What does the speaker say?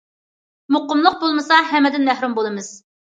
مۇقىملىق بولمىسا، ھەممىدىن مەھرۇم بولىمىز.